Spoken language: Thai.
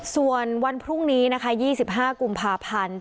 ส่วนวันพรุ่งนี้นะคะ๒๕กุมภาพันธ์